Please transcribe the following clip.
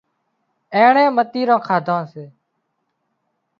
ايئانئي متيران ڪاڌان سي